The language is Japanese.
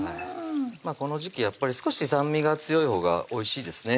この時季やっぱり少し酸味が強いほうがおいしいですね